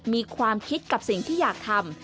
มีความคิดกับสิ่งที่อยากทำ